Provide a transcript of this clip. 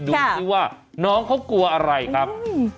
ดูสิว่าน้องเขากลัวอะไรครับ